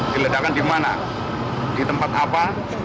diledakkan di mana di tempat apa